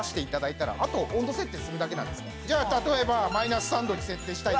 例えばマイナス３℃に設定したいな。